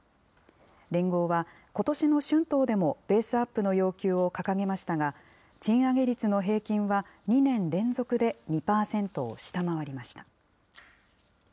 連合は、ことしの春闘でもベースアップの要求を掲げましたが、賃上げ率の平均は、２年連続で２％を下回りました。